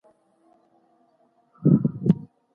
دا نبات په وچکالۍ کې هم مقاومت کوي.